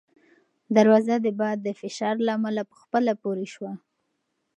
دروازه د باد د فشار له امله په خپله پورې شوه.